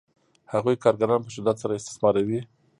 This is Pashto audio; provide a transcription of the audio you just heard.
هغوی کارګران په شدت سره استثماروي